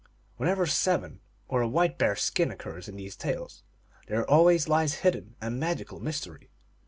Whenever seven or a white bear s skin occurs in these tales, there always lies hidden a magical mys tery.